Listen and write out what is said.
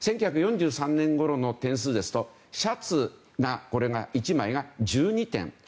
１９４３年ごろの点数ですとシャツが１枚が１２点。